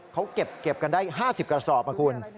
เขาเก็บกันได้๕๐กระสอบนะคุณ